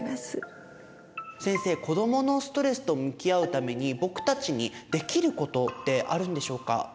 先生子どものストレスと向き合うために僕たちにできることってあるんでしょうか？